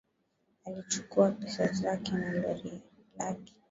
Alichukua pesa zake na lori lake